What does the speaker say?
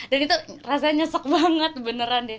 dan itu rasanya sok banget beneran deh